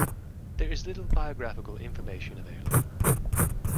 There is little biographical information available.